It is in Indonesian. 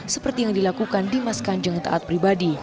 seperti yang dilakukan dimas kanjeng taat pribadi